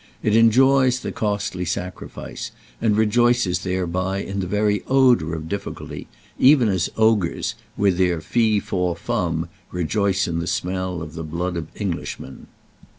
It enjoys the costly sacrifice and rejoices thereby in the very odour of difficulty—even as ogres, with their "Fee faw fum!" rejoice in the smell of the blood of Englishmen.